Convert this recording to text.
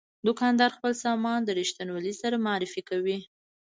دوکاندار خپل سامان د رښتینولۍ سره معرفي کوي.